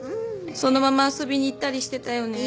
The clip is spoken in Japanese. そのまま遊びに行ったりしてたよね。